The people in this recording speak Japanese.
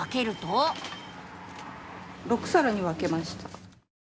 ・６さらに分けました。